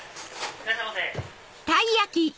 いらっしゃいませ。